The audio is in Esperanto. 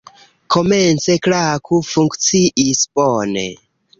Komence, Klaku funkciis bone.